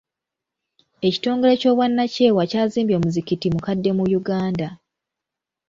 Ekitongole ky'obwannakyewa kyazimbye omuzikiti mukadde mu Uganda.